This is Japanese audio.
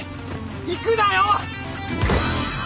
行くなよ！